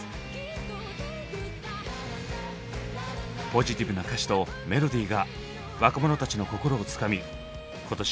ポジティブな歌詞とメロディーが若者たちの心をつかみ今年